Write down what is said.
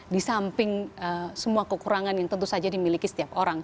di samping semua kekurangan yang tentu saja dimiliki setiap orang